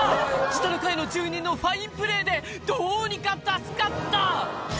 下の階の住人のファインプレーでどうにか助かった！